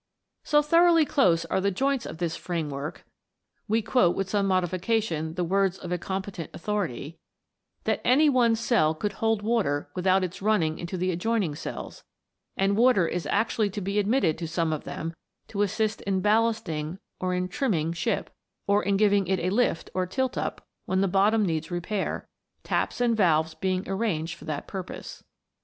So thoroughly close are the joints of this frame work we quote, with some modification, the words of a competent authority that any one cell would hold water without its running into the adjoining cells ; and water is actually to be admitted to some of them, to assist in ballasting or in "trimming" ship, or in giving it a "lift" or tilt up when the bottom needs repair, taps and valves being arranged for that purpose.